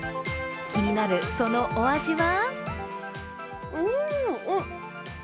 気になる、そのお味は？